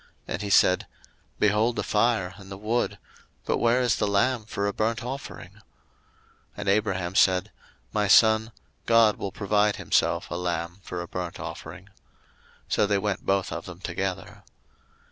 And he said, Behold the fire and the wood: but where is the lamb for a burnt offering? 01:022:008 And Abraham said, My son, God will provide himself a lamb for a burnt offering: so they went both of them together.